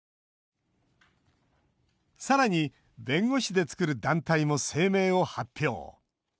さらに、弁護士で作る団体も声明を発表。